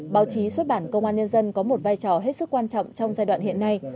báo chí xuất bản công an nhân dân có một vai trò hết sức quan trọng trong giai đoạn hiện nay